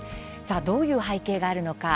どういう背景があるのか。